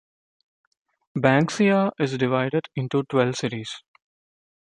"Banksia" is divided into twelve series.